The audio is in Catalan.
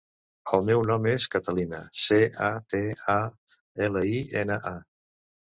El meu nom és Catalina: ce, a, te, a, ela, i, ena, a.